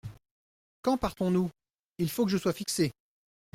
Quand partons-nous ? il faut que je sois fixé !